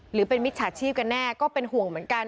หรือเป็นมิจฉาชีพกันแน่ก็เป็นห่วงเหมือนกัน